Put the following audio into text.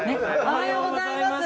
おはようございます。